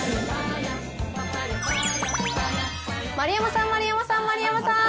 丸山さん、丸山さん、丸山さん！